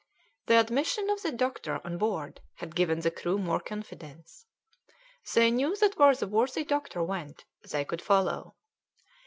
The admission of the doctor on board had given the crew more confidence. They knew that where the worthy doctor went they could follow.